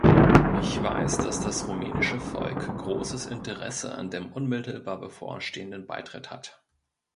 Ich weiß, dass das rumänische Volk großes Interesse an dem unmittelbar bevorstehenden Beitritt hat.